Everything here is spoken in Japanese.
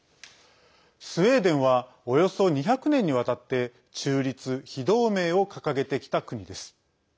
スウェーデンはおよそ２００年にわたって中立・非同盟を掲げてきた国です。